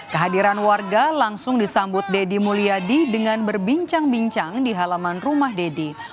kehadiran warga langsung disambut deddy mulyadi dengan berbincang bincang di halaman rumah deddy